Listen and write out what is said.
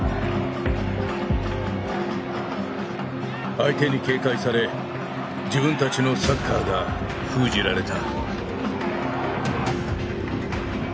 相手に警戒され自分たちのサッカーが封じられた。